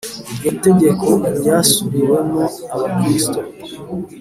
iryo tegeko ryasubiriwemo abakristo